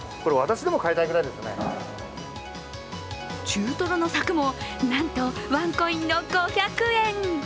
中トロの柵も、なんとワンコインの５００円。